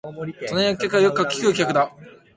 隣の客はよくかき食う客だ